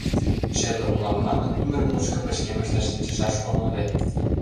— Черле улам манын, ӱмыр мучко пычкемыште шинчышаш омыл вет!